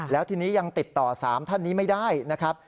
แล้วทีนี้ยังติดต่อ๓ท่านนี้ไม่ได้นะครับ